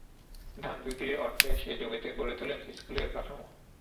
ধান বিক্রির অর্থে সেই জমিতে গড়ে তোলেন স্কুলের কাঠামো।